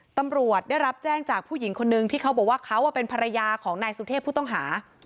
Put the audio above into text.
ตำรวจได้รับแจ้งจากผู้หญิงคนนึงที่เขาบอกว่าเขาเป็นภรรยาของนายสุเทพผู้ต้องหา